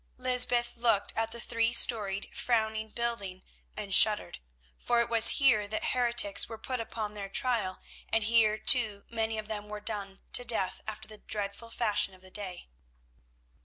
Lysbeth looked at the three storied frowning building and shuddered, for it was here that heretics were put upon their trial, and here, too, many of them were done to death after the dreadful fashion of the day.